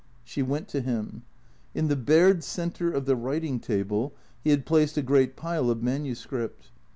She went to him. In the bared centre of the writing table he had placed a great pile of manuscript.